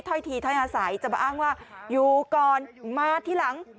ทีถ้อยอาศัยจะมาอ้างว่าอยู่ก่อนมาทีหลัง